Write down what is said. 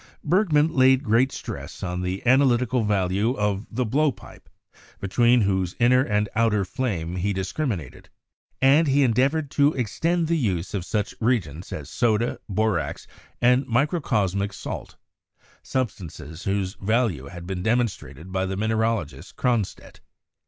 Bergman laid great stress on the analytical value of the blowpipe, between whose inner and outer flame he discriminated ; and he endeavored to extend THE PHLOGISTIC PERIOD PRPOER 119 the use of such reagents as soda, borax, and microcosmic salt, substances whose value had been demonstrated by the mineralogist Cronstedt.